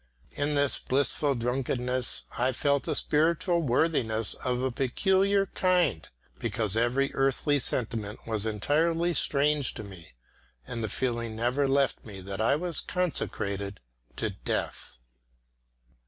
And in this blissful drunkenness I felt a spiritual worthiness of a peculiar kind, because every earthly sentiment was entirely strange to me, and the feeling never left me that I was consecrated to death.